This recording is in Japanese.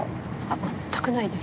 全くないです。